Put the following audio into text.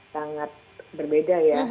sangat berbeda ya